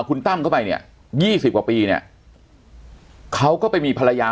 คุณตั้มก็ไปเนี้ยยี่สิบกว่าปีเนี้ยเขาก็ไปมีภรรยา